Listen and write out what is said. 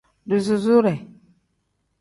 Duzusuure.